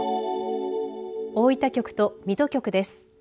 大分局と水戸局です。